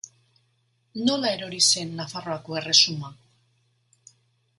Nola erori zen Nafarroako erresuma?